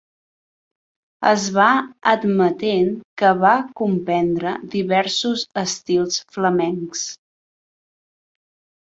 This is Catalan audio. Es va admetent que va compondre diversos estils flamencs.